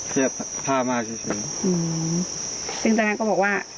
เพียบพามาเฉยเฉยอืมซึ่งจากนั้นก็บอกว่า